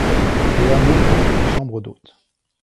Le hameau compte des chambres d'hôtes.